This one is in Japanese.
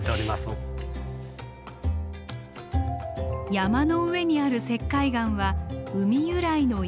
山の上にある石灰岩は海由来の岩。